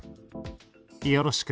よろしく。